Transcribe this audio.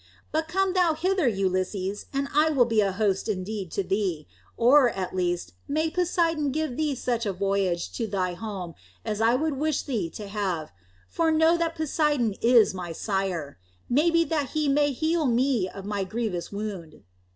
But come thou hither, Ulysses, and I will be a host indeed to thee. Or, at least, may Poseidon give thee such a voyage to thy home as I would wish thee to have. For know that Poseidon is my sire. May be that he may heal me of my grievous wound."